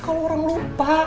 kalau orang lupa